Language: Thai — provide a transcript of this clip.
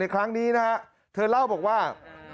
ในครั้งนี้นะครับเธอเล่าบอกว่า